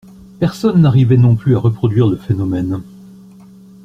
Personne n’arrivait non plus à reproduire le phénomène.